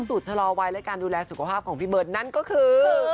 ชะลอวัยและการดูแลสุขภาพของพี่เบิร์ตนั่นก็คือ